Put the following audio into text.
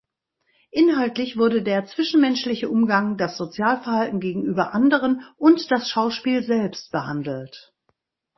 Inhaltlich wurde der zwischenmenschliche Umgang, das Sozialverhalten gegenüber „Anderen“ und das Schauspiel selbst behandelt.